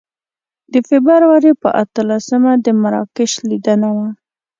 د فبروري په اتلسمه د مراکش لیدنه وه.